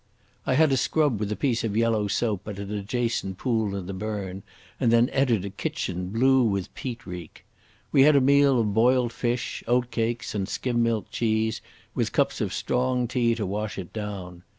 I had a scrub with a piece of yellow soap at an adjacent pool in the burn and then entered a kitchen blue with peat reek. We had a meal of boiled fish, oatcakes and skim milk cheese, with cups of strong tea to wash it down.